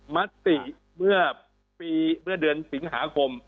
มัธิเมื่อปีเมื่อเดือนสิงหาคม